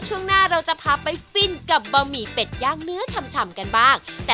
ช่วงหน้าเราจะพาไปฟินกับบะหมี่เป็ดย่างเนื้อฉ่ำกันบ้าง